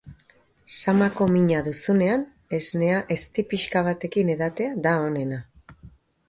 Samako mina duzunean esnea ezti pixka batekin edatea da onena.